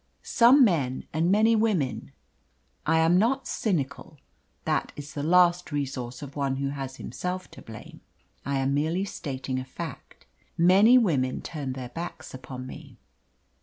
Some men, and many women I am not cynical, that is the last resource of one who has himself to blame, I am merely stating a fact many women turned their backs upon me.